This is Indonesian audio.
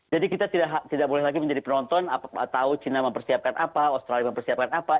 jadi kita tidak boleh lagi menjadi penonton atau tahu china mempersiapkan apa australia mempersiapkan apa